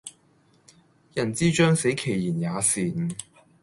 人之將死其言也善